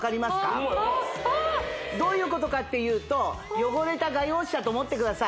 あっあっあっホンマやどういうことかっていうと汚れた画用紙だと思ってください